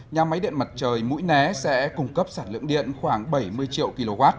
nhà máy điện mặt trời mũi né sẽ cung cấp sản lượng điện khoảng bảy mươi triệu kw